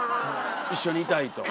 一緒にいたいと。